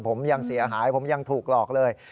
ผมยังเสียหายผมยังถูกหลอกเลย